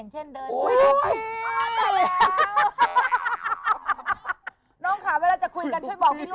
เวลาจะคุยกันช่วยบอกดีล่ะลูก